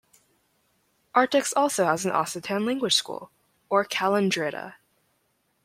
Artix also has an Occitan language school or Calandreta.